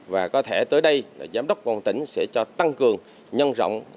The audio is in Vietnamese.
và có thể tới đây là giám đốc công an tỉnh sẽ cho tăng cường nhân rộng